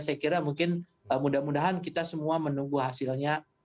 saya kira mungkin mudah mudahan kita semua menunggu hasilnya